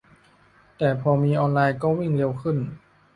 แต่พอมีออนไลน์ก็วิ่งเร็วขึ้น